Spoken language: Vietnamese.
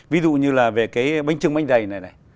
ví dụ như là về cái bánh trưng bánh dày này này